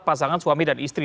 pasangan suami dan istri